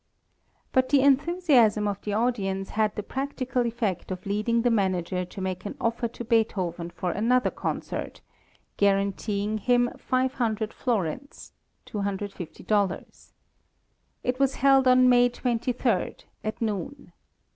But the enthusiasm of the audience had the practical effect of leading the manager to make an offer to Beethoven for another concert, guaranteeing him five hundred florins ($250). It was held on May 23, at noon.